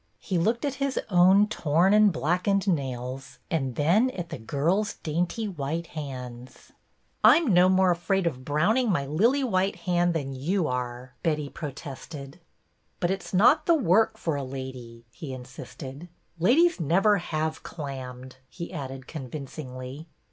He looked at his own torn and blackened nails and then at the girl's dainty white hands. '' I 'm no more afraid of browning my ' lily white hand ' than you are," Betty pro tested. But it 's not the work for a lady," he in sisted. Ladies never have clammed," he added convincingly.